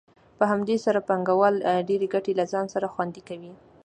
په همدې سره پانګوال ډېرې ګټې له ځان سره خوندي کوي